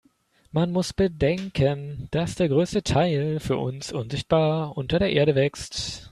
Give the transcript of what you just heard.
Man muss bedenken, dass der größte Teil für uns unsichtbar unter der Erde wächst.